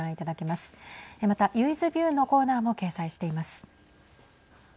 また油井’ｓＶＩＥＷのコーナーも掲載しています。